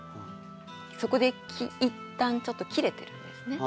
そこでいったんちょっと切れてるんですね。